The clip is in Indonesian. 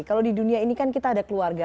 kalau di dunia ini kan kita ada keluarga